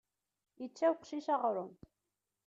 Yečča uqcic aɣrum.